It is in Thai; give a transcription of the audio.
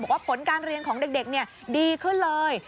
บอกว่าผลการเรียนของเด็กดีขึ้นเลย